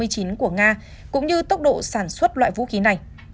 của nga cũng như tốc độ sản xuất loại vũ khí này